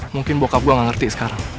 mungkin bokap gue nggak ngerti sekarang